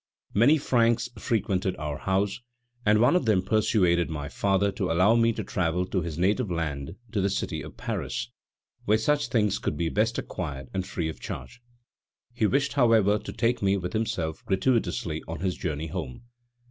Many Franks frequented our house, and one of them persuaded my father to allow me to travel to his native land to the city of Paris, where such things could be best acquired and free of charge. He wished, however, to take me with himself gratuitously on his journey home.